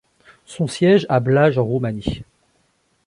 Son siège à Blaj, en Roumanie.